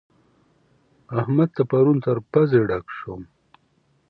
احمد ته پرون تر پزې ډک شوم.